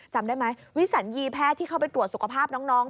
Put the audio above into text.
จำได้ไหมวิสัญญีแพทย์ที่เข้าไปตรวจสุขภาพน้อง